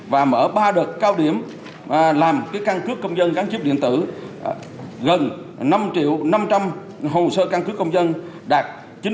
và mở ba đợt cao điểm làm căn cứ công dân gắn chip điện tử gần năm năm triệu hồ sơ căn cứ công dân đạt chín mươi bốn ba